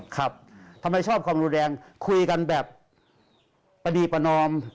ครับทำไมชอบความรุนแรงคุยกันแบบประดีประนอม